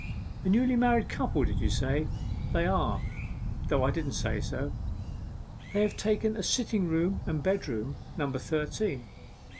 'A new married couple, did you say?' 'They are, though I didn't say so.' 'They have taken a sitting room and bedroom, number thirteen.